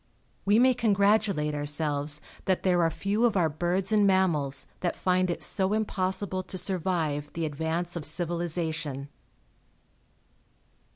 We may congratulate ourselves that there are few of our birds and mammals that find it so impossible to survive the advance of civilization.